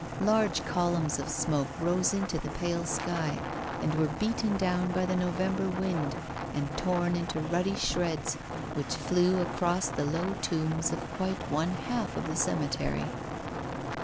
Large columns of the smoke rose into the pale sky, and were beaten down by the November wind, and torn into ruddy shreds, which flew across the low tombs of quite one half of the cemetery.